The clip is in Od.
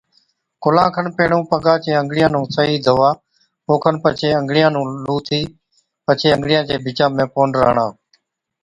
ڪُلان کن پيهڻُون پگان چي انگڙِيان نُون صحِيح ڌووا او کن پڇي انگڙِيان نُون لُوهٿِي پڇي انگڙِيان چي بِچا ۾ پونڊر هڻا۔